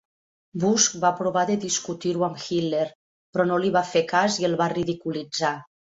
Busch va provar de discutir-ho amb Hitler, però no li va fer cas i el va ridiculitzar.